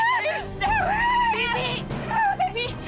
bibi bapak dewi